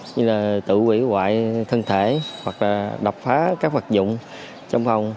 như là tự quỷ hoại thân thể hoặc là đập phá các vật dụng trong phòng